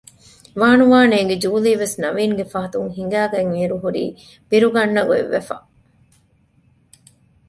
ވާނުވާ ނޭގި ޖޫލީވެސް ނަވީންގެ ފަހަތުން ހިނގައިގަތް އިރު ހުރީ ބިރުގަންނަ ގޮތްވެފަ